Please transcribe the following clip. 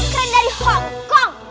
keren dari hong kong